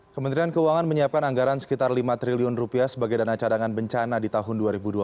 kementerian keuangan menyiapkan anggaran sekitar lima triliun rupiah sebagai dana cadangan bencana di tahun dua ribu dua puluh